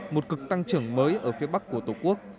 một cực tăng trưởng mới ở phía bắc của tổ quốc